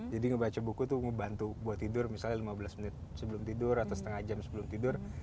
jadi ngebaca buku tuh ngebantu buat tidur misalnya lima belas menit sebelum tidur atau setengah jam sebelum tidur